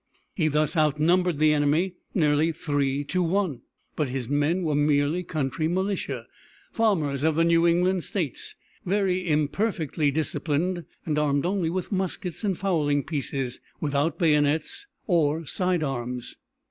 He thus outnumbered his enemy nearly three to one, but his men were merely country militia, farmers of the New England States, very imperfectly disciplined, and armed only with muskets and fowling pieces, without bayonets or side arms.